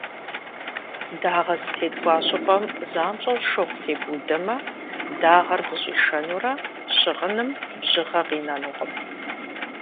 Дагъэ зытеткӏуа щӏыпӏэм занщӏэу шыгъу тебудэмэ, дагъэр зыщӏишэнурэ щыгъыным бжьыгъэ къинэнукъым.